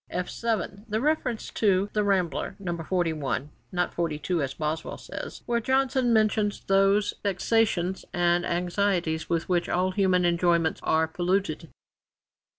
[F 7] The reference is to The Rambler, No. 41 (not 42 as Boswell says), where Johnson mentions 'those vexations and anxieties with which all human enjoyments are polluted.'